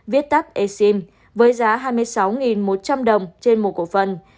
viết tắt exim với giá hai mươi sáu một trăm linh đồng trên một cổ phần